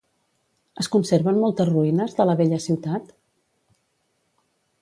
Es conserven moltes ruïnes de la vella ciutat?